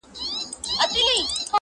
o ستا د حُسن د الهام جام یې څښلی,